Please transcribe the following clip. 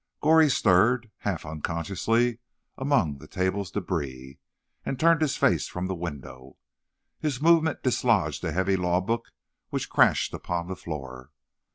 Goree stirred, half unconsciously, among the table's débris, and turned his face from the window. His movement dislodged a heavy law book, which crashed upon the floor.